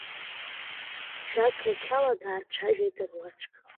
Жәақьақьала даацәажәеит руаӡәк.